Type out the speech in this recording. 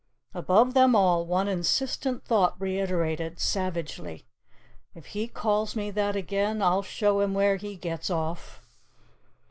Above them all, one insistent thought reiterated, savagely, "If he calls me that again, I'll show him where he gets off!"